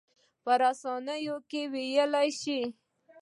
په رسنیو کې وویل شول.